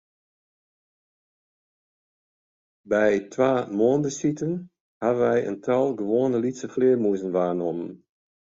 By twa moarnsbesiten hawwe wy in tal gewoane lytse flearmûzen waarnommen.